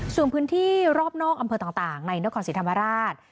ส่วนพื้นที่รอบนอกอำเภอต่างในนครศรีธรรมราช